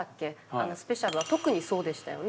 あのスペシャルは特にそうでしたよね。